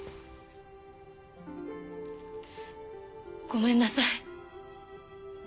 ごめんなさい。